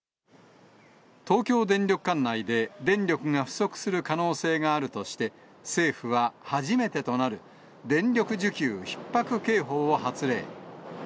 東京電力管内で電力が不足する可能性があるとして、政府は、初めてとなる電力需給ひっ迫警報を発令。